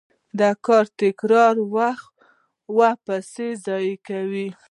د کار تکرار وخت او پیسې ضایع کوي.